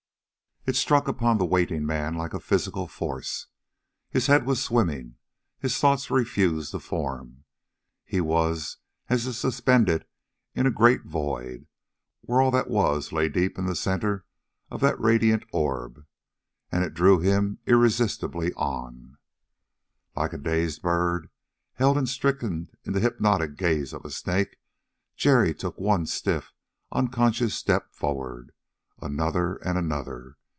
It struck upon the waiting man like a physical force. His head was swimming, his thoughts refused to form. He was as if suspended in a great void, where all that was lay deep in the center of that radiant orb. And it drew him irresistibly on. Like a dazed bird, held and stricken in the hypnotic gaze of a snake, Jerry took one stiff, unconscious forward step. Another, and another.